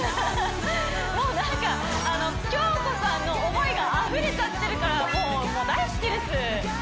もうなんか京子さんの思いがあふれちゃってるからもう大好きです！